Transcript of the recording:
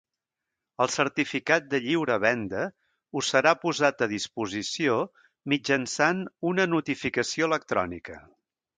El certificat de lliure venda us serà posat a disposició mitjançant una notificació electrònica.